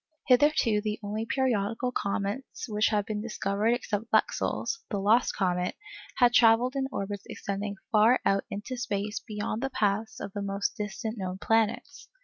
Hitherto the only periodical comets which had been discovered except Lexell's—the 'lost comet'—had travelled in orbits extending far out into space beyond the paths of the most distant known planets.